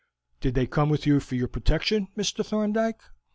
"Did they come with you for your protection, Mr. Thorndyke?"